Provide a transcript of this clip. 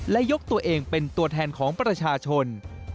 และยกตัวเองเป็นตัวแทนของประชาชน